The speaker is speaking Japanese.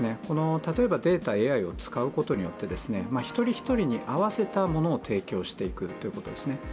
例えばデータ、ＡＩを使うことによって一人一人に合わせたものを提供していくということですね。